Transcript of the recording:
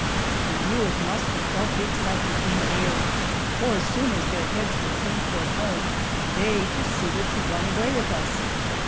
The mules must have felt the excitement in the air, for as soon as their heads were turned toward home they proceeded to run away with us.